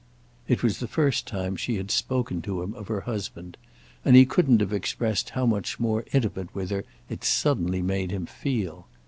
It was the first time she had spoken to him of her husband, and he couldn't have expressed how much more intimate with her it suddenly made him feel.